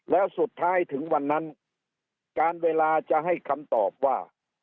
แล้วสุดท้ายถึงวันนั้นการเวลาจะให้คำตอบว่า